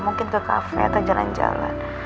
mungkin ke kafe atau jalan jalan